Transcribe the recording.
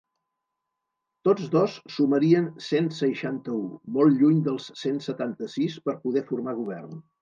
Tots dos sumarien cent seixanta-u, molt lluny dels cent setanta-sis per poder formar govern.